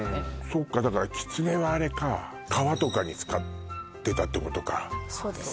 そっかだから狐はあれか皮とかに使ってたってことかそうですね